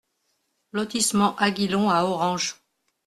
Lotissement Aguilon à Orange